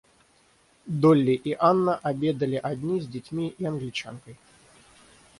Долли и Анна обедали одни с детьми и Англичанкой.